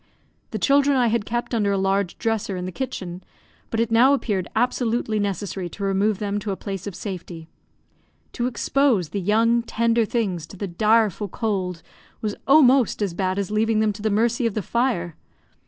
The children I had kept under a large dresser in the kitchen, but it now appeared absolutely necessary to remove them to a place of safety. To expose the young, tender things to the direful cold was almost as bad as leaving them to the mercy of the fire.